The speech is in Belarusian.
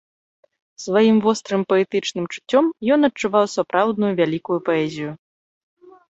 Сваім вострым паэтычным чуццём ён адчуваў сапраўдную вялікую паэзію.